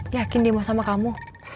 yakin dia mau sama kamu